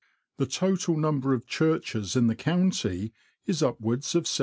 The total number of churches in the county is upwards of 760.